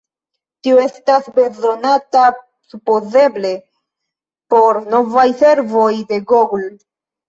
Tio estas bezonata supozeble por novaj servoj de Google.